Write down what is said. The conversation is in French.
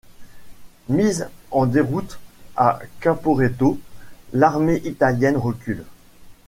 Mise en déroute à Caporetto, l'armée italienne recule.